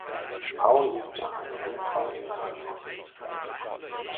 Paul liegt nach einem Unfall im Krankenhaus.